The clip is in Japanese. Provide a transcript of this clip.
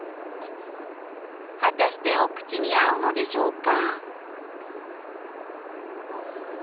果たしてお口に合うのでしょうか？